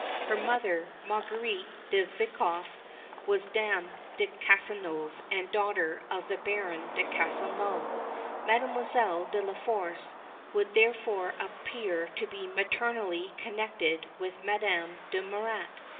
Her mother, Marguerite de Vicof, was Dame de Casenove, and daughter of the Baron de Castelnau. Mademoiselle de la Force would therefore appear to be maternally connected with Madame de Murat.